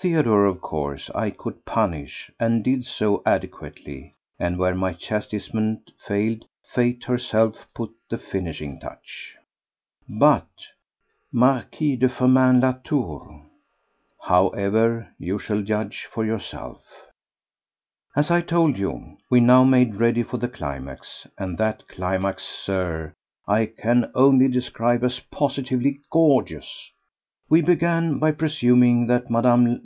Theodore, of course, I could punish, and did so adequately; and where my chastisement failed, Fate herself put the finishing touch. But M. de Firmin Latour ...! However, you shall judge for yourself. As I told you, we now made ready for the climax; and that climax, Sir, I can only describe as positively gorgeous. We began by presuming that Mme.